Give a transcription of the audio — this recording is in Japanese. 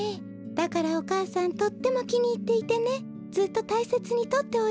だからお母さんとってもきにいっていてねずっとたいせつにとっておいたのよ。